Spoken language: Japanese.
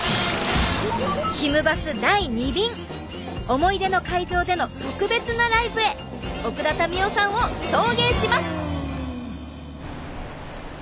思い出の会場での特別なライブへ奥田民生さんを送迎します！